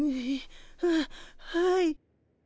ははい。